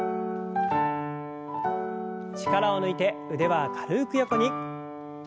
力を抜いて腕は軽く横に。